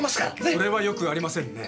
それはよくありませんね。